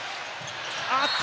あっと！